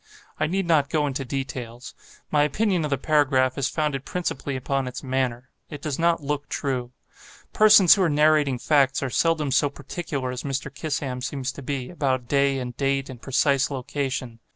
I need not go into details. My opinion of the paragraph is founded principally upon its manner. It does not look true. Persons who are narrating facts, are seldom so particular as Mr. Kissam seems to be, about day and date and precise location.